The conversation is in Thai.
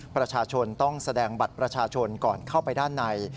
ประชาชนต้องแสดงบัตรประชาชนก่อนเข้าไปด้านใน